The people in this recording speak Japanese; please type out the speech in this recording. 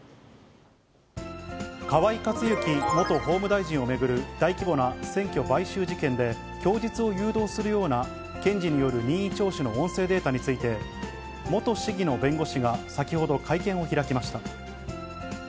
河井克行元法務大臣を巡る大規模な選挙買収事件で供述を誘導するような検事による任意聴取の音声データについて、元市議の弁護士が先ほど会見を開きました。